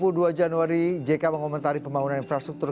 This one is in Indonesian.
dua puluh dua januari jk mengomentari pembangunan infrastruktur